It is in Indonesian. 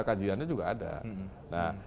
kajiannya juga ada nah